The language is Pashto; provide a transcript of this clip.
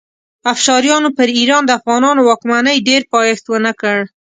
افشاریانو پر ایران د افغانانو واکمنۍ ډېر پایښت ونه کړ.